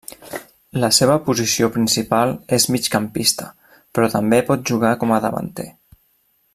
La seva posició principal és migcampista, però també pot jugar com a davanter.